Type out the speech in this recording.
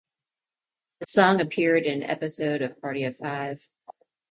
The song appeared in an episode of "Party of Five".